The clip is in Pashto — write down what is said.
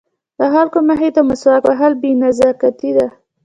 د خلکو مخې ته مسواک وهل بې نزاکتي ده.